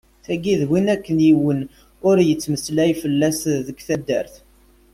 Tagi d win akken yiwen ur d-yettmeslay fell-as deg taddart.